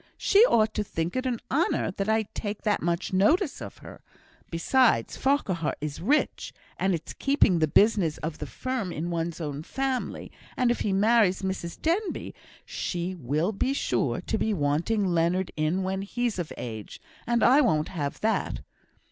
She ought to think it an honour that I take that much notice of her. Besides, Farquhar is rich, and it's keeping the business of the firm in one's own family; and if he marries Mrs Denbigh she will be sure to be wanting Leonard in when he's of age, and I won't have that.